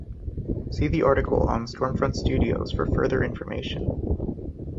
See the article on Stormfront Studios for further information.